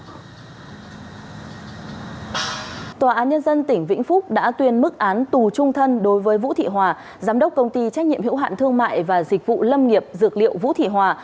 tòa án nhân dân tỉnh vĩnh phúc đã tuyên mức án tù trung thân đối với vũ thị hòa giám đốc công ty trách nhiệm hiệu hạn thương mại và dịch vụ lâm nghiệp dược liệu vũ thị hòa